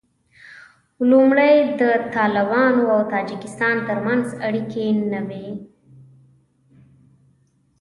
لومړی د طالبانو او تاجکستان تر منځ اړیکې نه وې